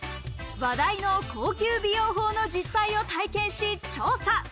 話題の高級美容法の実態を体験し、調査。